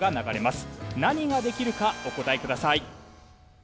何ができるかお答えください。